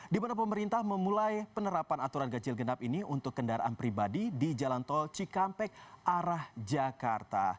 di mana pemerintah memulai penerapan aturan ganjil genap ini untuk kendaraan pribadi di jalan tol cikampek arah jakarta